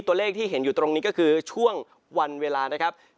ตัวเลขที่เห็นอยู่ตรงนี้ก็คือช่วงวันเวลานะครับ